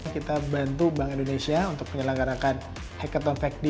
kita bantu bank indonesia untuk menyelenggarakan hackathon fact digit